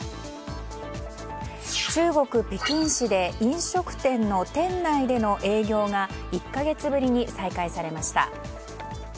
中国・北京市で飲食店の店内での営業が１か月ぶりに再開されました。